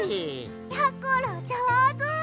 やころじょうず！